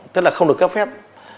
tức là không được cấp phép